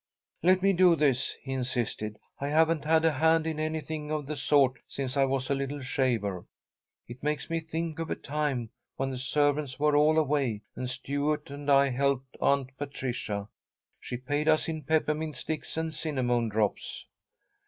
"Let me do this," he insisted. "I haven't had a hand in anything of the sort since I was a little shaver. It makes me think of a time when the servants were all away, and Stuart and I helped Aunt Patricia. She paid us in peppermint sticks and cinnamon drops."